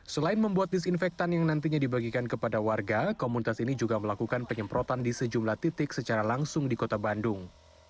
selain membuat disinfektan yang nantinya dibagikan kepada warga komunitas ini juga melakukan penyemprotan di sejumlah titik secara langsung di kota bandung